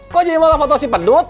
kok jadi malah foto si pedut